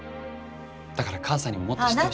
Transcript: だから母さんにももっと知って。